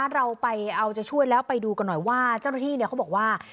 เราไปเอาใจช่วยแล้วไปดูกันหน่อยว่าเจ้าหน้าที่เขาบอกว่า